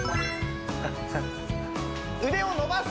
腕を伸ばす！